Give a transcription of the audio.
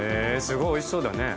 すごいおいしそうだね。